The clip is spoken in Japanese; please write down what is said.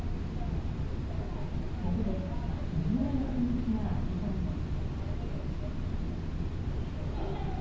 ここで「君が代」の秘密が明かされます。